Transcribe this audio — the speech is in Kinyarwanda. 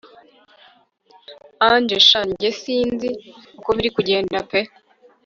Angel sha njye sinzi uko biri bugende pe